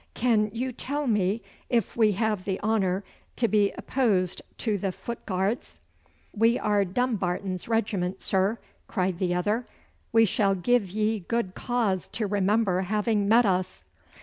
'Can you tell me if we have the honour to be opposed to the foot guards?' 'We are Dumbarton's regiment, sir,' cried the other. 'We shall give ye good cause to remember having met us.